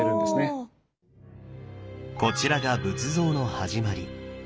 こちらが仏像の始まり。